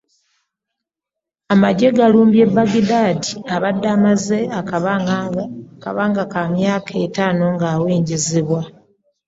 Amagye gaalumbye Baghdadi abadde amaze akabanga ka myaka etaano nga awenjezebwa